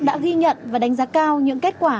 đã ghi nhận và đánh giá cao những kết quả